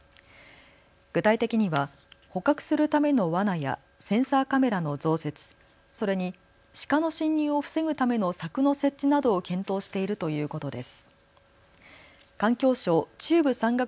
具体的には捕獲するためのわなやセンサーカメラの増設、それにシカの侵入を防ぐための柵の設置などを検討しているということです。